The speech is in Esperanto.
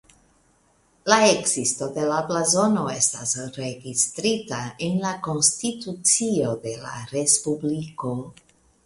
La ekzisto de la blazono estas registrita en la konstitucio de la respubliko.